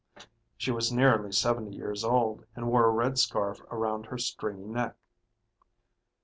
She was nearly seventy years old and wore a red scarf around her stringy neck.